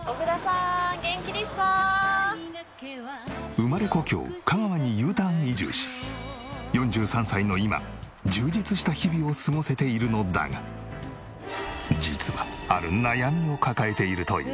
生まれ故郷香川にＵターン移住し４３歳の今充実した日々を過ごせているのだが実はある悩みを抱えているという。